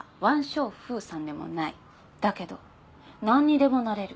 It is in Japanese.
だけど何にでもなれる。